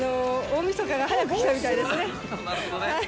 大みそかが早く来たみたいですね。